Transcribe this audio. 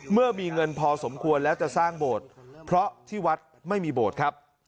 เมื่อมีเงินพอสมควรแล้วจะสร้างโบสถ์เพราะที่วัดไม่มีโบสถ์ครับ